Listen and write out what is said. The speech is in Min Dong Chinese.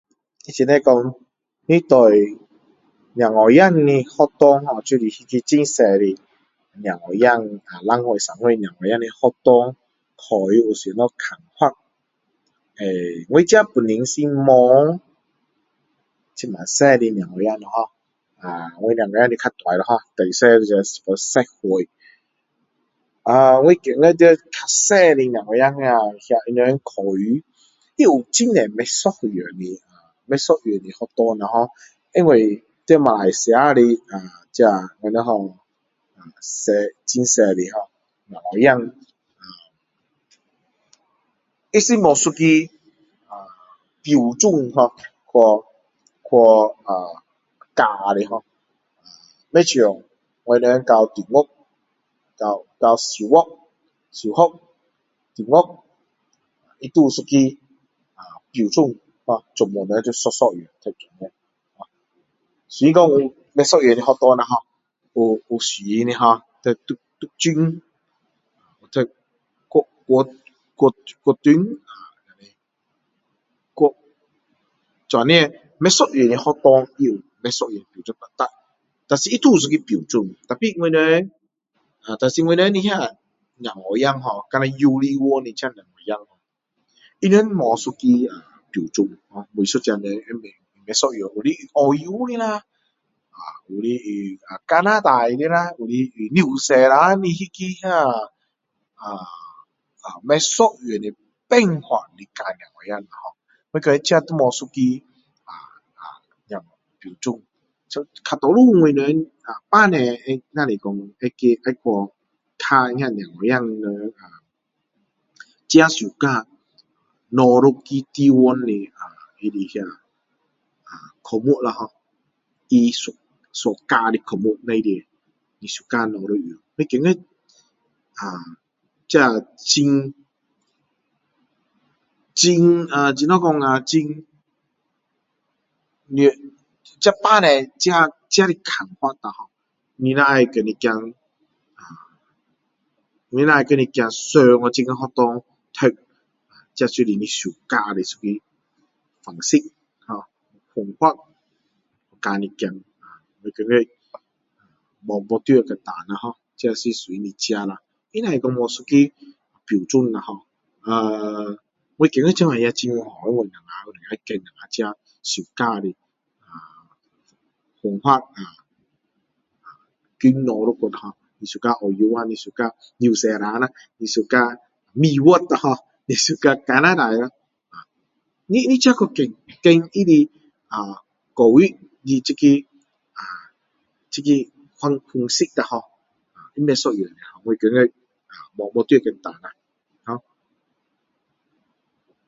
他这里说你对小孩子的学校ho就是里面很小的小孩子两岁三岁小孩子的学校考试有什么看法呃…我自己本身是没这么小的小孩子了ho啊我小孩子是比较大了ho最小一个有十岁啊我觉得太小的小孩子他们的考试也有很多不一样呃不一样的学校ho因为在马来西亚的呃这我们叫小很小的ho小孩子呃它是哪一个呃标准ho去去呃教的ho不像我们到中学到小学小学中学它都有一个呃标准全部人都一样样的读书的所以说不一样的学校啦ho有有私人的ho要读独独中读国国国国中国这样不一样的学校也有不一样这么达可是它都有一个标准可是我们但是我们的那些小孩子ho像幼稚园的这小孩子他们没一个标准ho每一个人用的不一样的你澳洲的啦你用加拿大的啦你用纽西兰的那个呃呃…不一样的办法来教小孩子ho我觉得这没一个啊啊那标准大多数我们父母会那是说那个会去看那小孩子们啊自己喜欢哪一个地方的他的那个科目啦ho他喜喜欢的科目里面他喜欢哪一个我觉得啊这很很啊怎样讲啊很多这父母自自己的看法ho你若要叫你孩子啊你若有叫你孩子送去这个学校读这就是你喜欢的一个方式方法教你孩子我觉得没分对和错的ho这是一个你自己他只是没一个标准呃…我觉得这样也很好给我们要选我们自己喜欢的呃方法呃呃…跟哪一个国你喜欢澳洲啊喜欢纽西兰啊你喜欢美国哈你喜欢加拿大啦你你自己去选他的呃教育你这个呃这个的方式不一样的我觉得 [unintelligible]